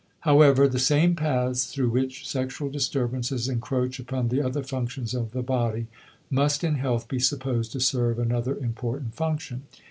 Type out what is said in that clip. However the same paths through which sexual disturbances encroach upon the other functions of the body must in health be supposed to serve another important function.